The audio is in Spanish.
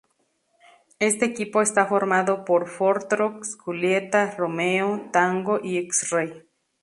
Este equipo está formado por Foxtrot, Julieta, Romeo, Tango y X-Ray.